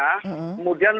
kemudian lebih spesifiknya